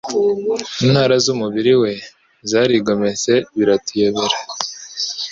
Intara z'umubiri we zarigometse biratuyobera